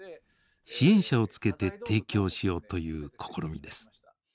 支援者をつけて提供しようという試みです。